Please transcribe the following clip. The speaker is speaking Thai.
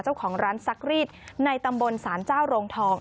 เจ้าของร้านซักรีดในตำบลศาลเจ้าโรงทอง